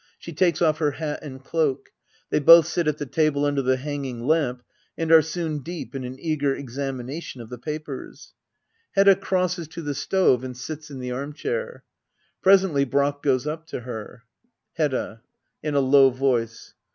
She takes off her hat and cloak. They both sit at the table under the hanging lamp, and are soon deep in an eager examination of the papers, Hedda crosses to the stove and sits in the arm chair. Presently Brack goes up to her,] Hedda. [In a low voice.